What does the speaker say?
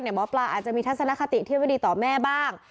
หมอปลาอาจจะมีทัศนคติที่ไม่ดีต่อแม่บ้าง